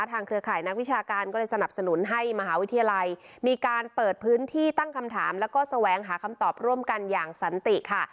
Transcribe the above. เครือข่ายนักวิชาการก็เลยสนับสนุนให้มหาวิทยาลัยมีการเปิดพื้นที่ตั้งคำถามแล้วก็แสวงหาคำตอบร่วมกันอย่างสันติค่ะ